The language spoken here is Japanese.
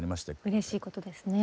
うれしいことですね。